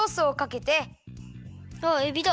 わえびだ！